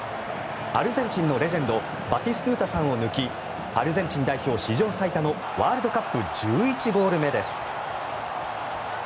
アルゼンチンのレジェンドバティストゥータさんを抜きアルゼンチン代表史上最多のワールドカップ１１ゴール目です。